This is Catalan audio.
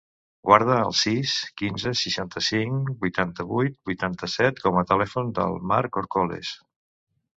Guarda el sis, quinze, seixanta-cinc, vuitanta-vuit, vuitanta-set com a telèfon del Mark Corcoles.